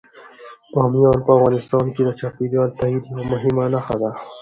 بامیان په افغانستان کې د چاپېریال د تغیر یوه مهمه نښه ده.